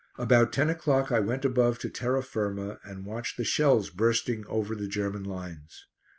About ten o'clock I went above to terra firma and watched the shells bursting over the German lines.